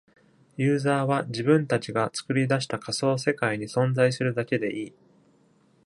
ユーザーは自分たちが作り出した仮想世界に存在するだけでいい。